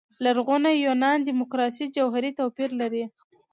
لرغوني یونان دیموکراسي جوهري توپير لري.